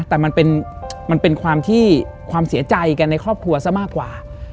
แต่มันเป็นความเสียใจในครอบครัวซะมากกว่า